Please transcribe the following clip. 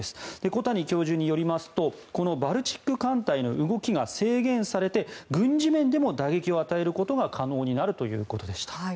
小谷教授によりますとこのバルチック艦隊の動きが制限されて軍事面でも打撃を与えることが可能になるということでした。